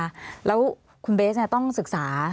แล้วคุณเบ๊ดจะต้องศึกษา